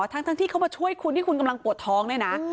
ทั้งที่เขามาช่วยคุณที่คุณกำลังปวดท้องเนี่ยนะ